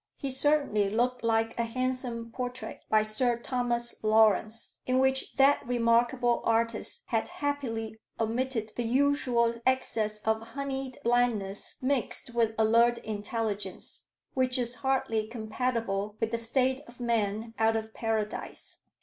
He certainly looked like a handsome portrait by Sir Thomas Lawrence, in which that remarkable artist had happily omitted the usual excess of honeyed blandness mixed with alert intelligence, which is hardly compatible with the state of man out of paradise.